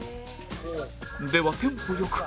ではテンポ良く